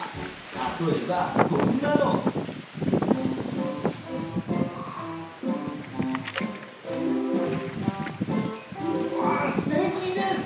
例えばこんなの。わすてきです！